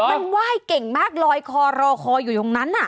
มันไหว้เก่งมากลอยคอรอคออยู่ตรงนั้น